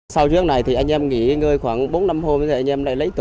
sau trước này thì anh em nghỉ ngơi khoảng bốn năm hôm rồi anh em lại lấy tổ